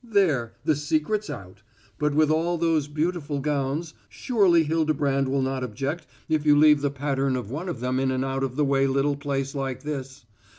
There, the secret's out. But with all those beautiful gowns, surely Hildebrand will not object if you leave the pattern of one of them in an out of the way little place like this.